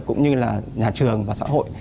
cũng như là nhà trường và xã hội